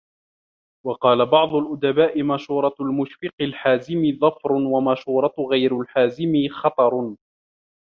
وَقَالَ بَعْضُ الْأُدَبَاءِ مَشُورَةُ الْمُشْفِقِ الْحَازِمِ ظَفَرٌ ، وَمَشُورَةُ غَيْرِ الْحَازِمِ خَطَرٌ